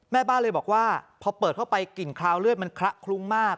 แม่บ้านเลยบอกว่าพอเปิดเข้าไปกลิ่นคราวเลือดมันคละคลุ้งมาก